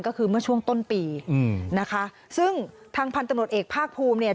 ก็คือเมื่อช่วงต้นปีนะคะซึ่งทางพันตะโนตเอกภากภูมิเนี่ย